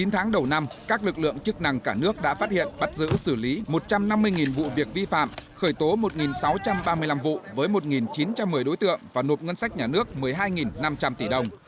chín tháng đầu năm các lực lượng chức năng cả nước đã phát hiện bắt giữ xử lý một trăm năm mươi vụ việc vi phạm khởi tố một sáu trăm ba mươi năm vụ với một chín trăm một mươi đối tượng và nộp ngân sách nhà nước một mươi hai năm trăm linh tỷ đồng